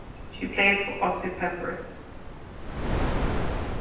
She played for Aussie Peppers.